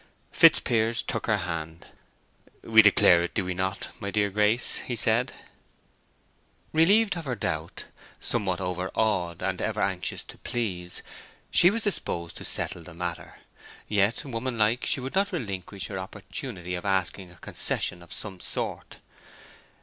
Fitzpiers took her hand. "We declare it, do we not, my dear Grace?" said he. Relieved of her doubt, somewhat overawed, and ever anxious to please, she was disposed to settle the matter; yet, womanlike, she would not relinquish her opportunity of asking a concession of some sort.